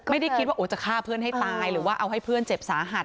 ไม่ได้คิดว่าจะฆ่าเพื่อนให้ตายหรือว่าเอาให้เพื่อนเจ็บสาหัส